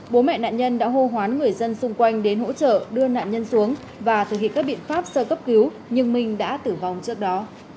bố mẹ nạn nhân đã hô hoán người dân xung quanh đến hỗ trợ đưa nạn nhân xuống và thực hiện các biện pháp sơ cấp cứu nhưng minh đã tử vong trước đó